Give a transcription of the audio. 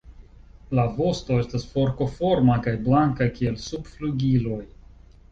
La vosto estas forkoforma kaj blanka kiel subflugiloj.